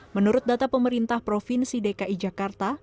menurut data pemerintah provinsi dki jakarta